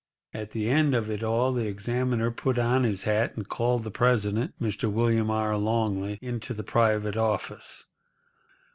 At the end of it all the examiner put on his hat, and called the president, Mr. William R. Longley, into the private office.